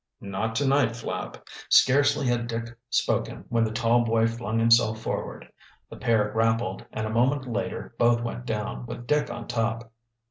"Not to night, Flapp." Scarcely had Dick spoken when the tall boy flung himself forward. The pair grappled, and a moment later both went down, with Dick on top.